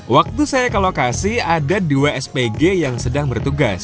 waktu saya ke lokasi ada dua spg yang sedang bertugas